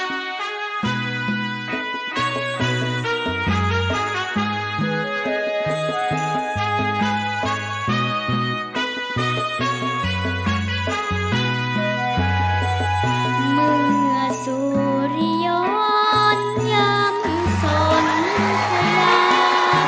มือสุริยนต์ยังสนพลัง